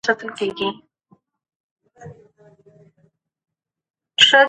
له یو بل څخه زده کړه وکړئ.